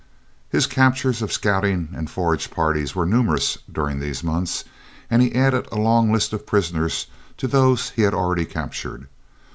His captures of scouting and forage parties were numerous during these months, and he added a long list of prisoners to those he had already captured.